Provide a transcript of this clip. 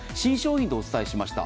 新商品とお伝えしました。